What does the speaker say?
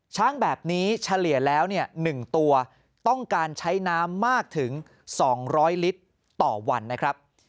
ช้างแบบนี้เฉลี่ยแล้ว๑ตัวต้องการใช้น้ำมากถึง๒๐๐ลิตรต่อวันนะครับ